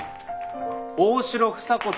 大城房子